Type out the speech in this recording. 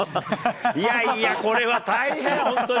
いやいや、これは大変、本当に。